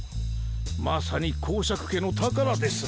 まさに侯爵家の宝ですな。